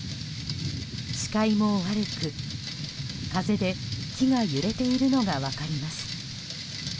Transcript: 視界も悪く、風で木が揺れているのが分かります。